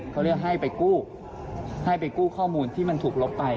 เขาเรียกให้ไปกู้ข้อมูลที่มันถูกลบไป